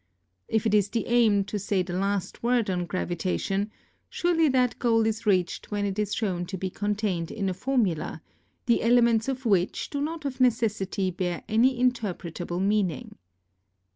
If it is the aim to say the last word on gravitation, surely that goal is reached when it is shown to be contained in a formula, the elements of which do not of necessity bear any interpretable meaning.